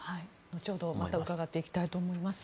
後ほど伺っていきたいと思います。